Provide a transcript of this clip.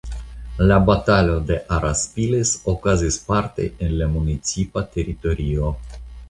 La Batalo de Araspiles okazis parte en la municipa teritorio.